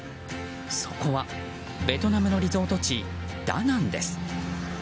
そこは、ベトナムのリゾート地ダナンです。